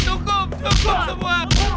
cukup cukup semua